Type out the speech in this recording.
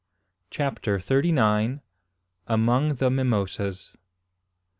CHAPTER THIRTY NINE. AMONG THE MIMOSAS.